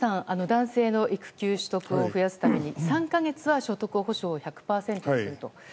男性の育休取得を増やすために３か月は所得補償を１００％すると。